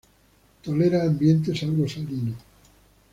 Tolera ambientes algo salinos.